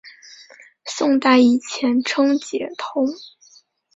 宋代以前称解头。